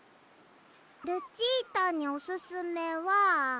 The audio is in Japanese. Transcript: ルチータにおすすめは。